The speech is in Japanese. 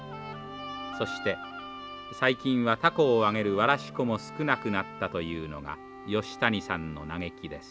そして最近はたこを揚げるわらしこも少なくなったというのが吉谷さんの嘆きです。